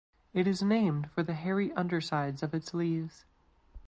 It is named for the hairy undersides of its leaves.